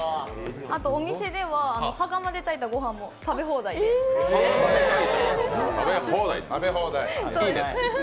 あとお店では羽釜で炊いたご飯も食べ放題ということで。